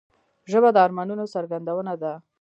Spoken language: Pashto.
ژبه د ارمانونو څرګندونه ده